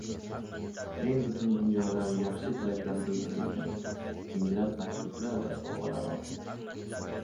Men butun dunyodan yaxshi tilaklar bildirilgan minglab maktublar va sovg‘alar oldim.